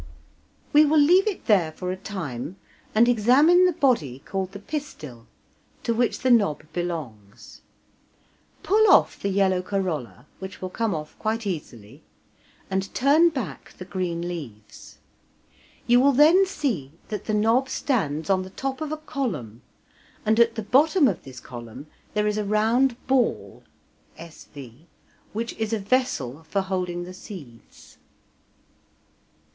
We will leave it there for a time, and examine the body called the pistil, to which the knob belongs. Pull off the yellow corolla (which will come off quite easily), and turn back the green leaves. You will then see that the knob stands on the top of a column, and at the bottom of this column there is a round ball (s v), which is a vessel for holding the seeds.